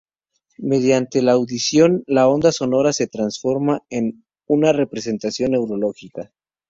Mediante la "audición," la onda sonora se transforma en una representación neurológica.